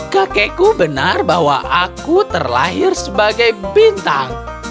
kakekku benar bahwa aku terlahir sebagai bintang